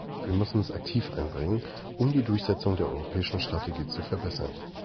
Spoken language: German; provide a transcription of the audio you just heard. Wir müssen uns aktiv einbringen, um die Durchsetzung der europäischen Strategie zu verbessern.